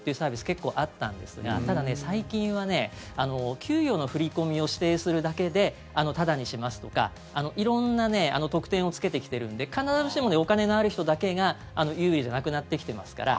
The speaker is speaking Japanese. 結構、あったんですがただ、最近は給与の振り込みを指定するだけでタダにしますとか色んな特典をつけてきてるので必ずしもお金のある人だけが有利じゃなくなってきてますから。